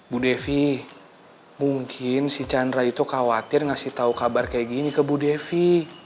bu devi mungkin si chandra itu khawatir ngasih tahu kabar kayak gini ke bu devi